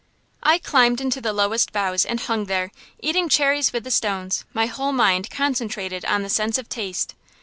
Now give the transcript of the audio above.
I climbed into the lowest boughs and hung there, eating cherries with the stones, my whole mind concentrated on the sense of taste.